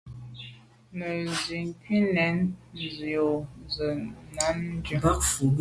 Nə nzìkuʼ nɛ̂n jə yò cwɛ̌d nja αm.